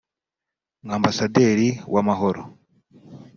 nka ambasaderi w’amahoro